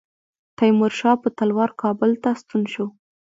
تیمورشاه په تلوار کابل ته ستون شو.